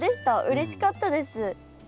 うれしかったです。